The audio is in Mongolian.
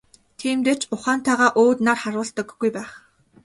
Тиймдээ ч ухаантайгаа өөд нар харуулдаггүй байх.